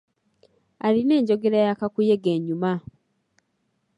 Alina enjogera ya kakuyege enyuma.